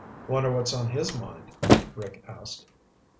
"Wonder what's on his mind?" Rick asked.